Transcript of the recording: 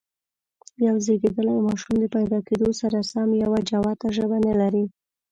یو زېږيدلی ماشوم د پیدا کېدو سره سم یوه جوته ژبه نه لري.